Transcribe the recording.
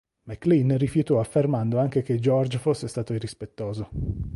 McLean rifiutò affermando anche che George fosse stato irrispettoso.